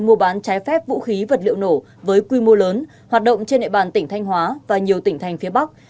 mua bán trái phép vũ khí vật liệu nổ với quy mô lớn hoạt động trên địa bàn tỉnh thanh hóa và nhiều tỉnh thành phía bắc